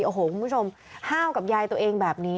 โอ้โหคุณผู้ชมห้าวกับยายตัวเองแบบนี้